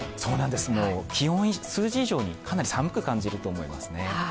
数字以上にかなり寒く感じると思いますね。